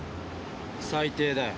最低だよ。